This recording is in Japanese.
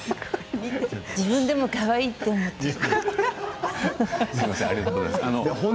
自分でもかわいいと思っている。